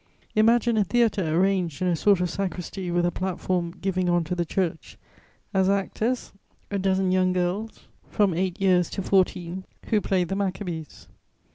Imagine a theatre arranged in a sort of sacristy with a platform giving on to the church; as actors, a dozen young girls from eight years to fourteen, who played the _Machabées.